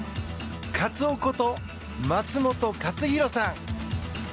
カツオこと松元克央さん。